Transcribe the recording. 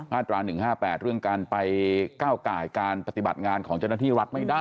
ตรา๑๕๘เรื่องการไปก้าวไก่การปฏิบัติงานของเจ้าหน้าที่รัฐไม่ได้